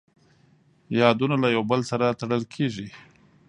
یادونه له یو بل سره تړل کېږي.